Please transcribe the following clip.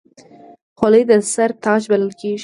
خولۍ د سر تاج بلل کېږي.